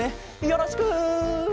よろしく。